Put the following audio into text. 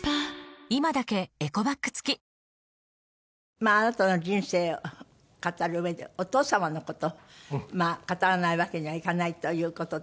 まああなたの人生を語るうえでお父様の事語らないわけにはいかないという事で。